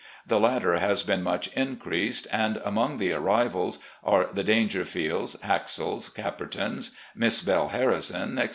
The latter has been much increased, and among the ar rivals are the Daingerfields, Haxalls, Capertons, Miss Belle Harrison, etc.